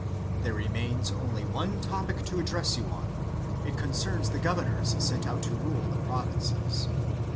There remains "only one topic to address you on; it concerns the | governors sent out to rule the provinces.